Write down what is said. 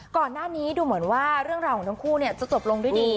ก่อนหน้านี้ดูเหมือนว่าเรื่องราวของทั้งคู่จะจบลงด้วยดี